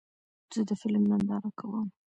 زه د فلم ننداره کوم.